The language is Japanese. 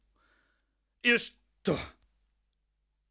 よしっと。